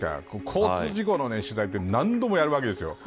交通事故の取材って何度もやるわけですよ。